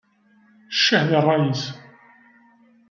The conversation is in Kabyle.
Ccah di ṛṛay-is!